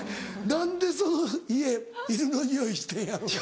何でその家犬のにおいしてんやろうな？